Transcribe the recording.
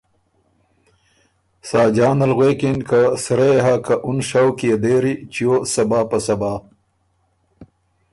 ساجان ال غوېکِن که ”سرۀ يې هۀ، که اُن شوق دېری چیو صبا په صبا“